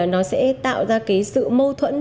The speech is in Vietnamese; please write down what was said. nó sẽ tạo ra cái sự mâu thuẫn